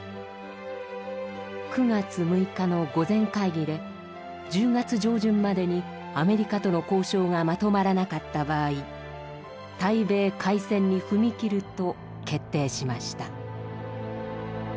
９月６日の御前会議で１０月上旬までにアメリカとの交渉がまとまらなかった場合対米開戦に踏み切ると決定しました。